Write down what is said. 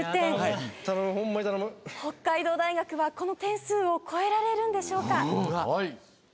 北海道大学はこの点数を超えられるんでしょうか？